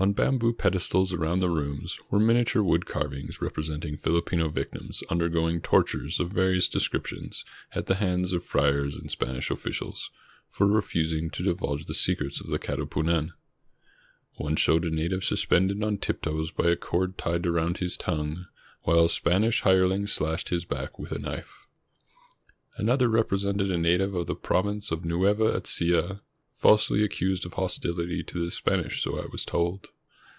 On bamboo pedestals around the rooms were minia ture wood carvings representing Filipino victims under going tortures of various descriptions at the hands of friars and Spanish officials for refusing to divulge the secrets of the Katipunan. One showed a native sus pended on tiptoes by a cord tied around his tongue, while a Spanish hireling slashed his back with a knife. Another represented a native of the province of Nueva Ecija falsely accused of hostility to the Spanish, so I was told.